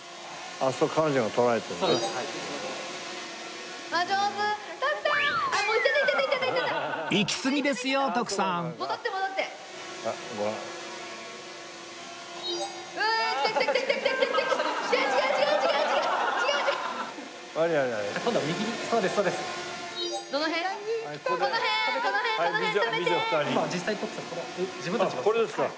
あっこれですか？